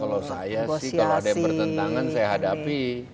kalau saya sih kalau ada pertentangan saya hadapi